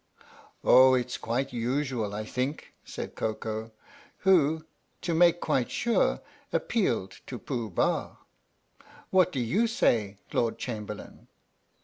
"Oh, it's quite usual, I think," said Koko, who, to make quite sure, appealed to Pooh Bah. " What do you say, Lord Chamberlain